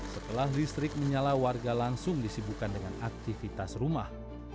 setelah listrik menyala warga langsung disibukan dengan aktivitas rumah